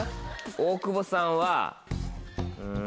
大久保さんはうん。